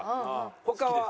他は？